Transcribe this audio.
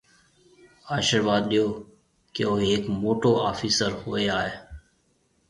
آشرواڌ ڏيو ڪيَ او هيڪ موٽو آفِيسر هوئي آئي۔